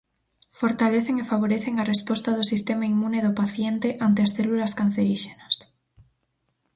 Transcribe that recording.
Fortalecen e favorecen a resposta do sistema inmune do paciente ante as células canceríxenas.